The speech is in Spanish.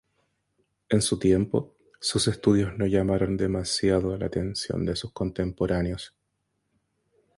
En su tiempo, sus estudios no llamaron demasiado la atención de sus contemporáneos.